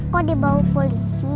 kok dibawa polisi